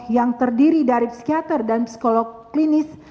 yang terdiri dari psikiater dan psikolog klinis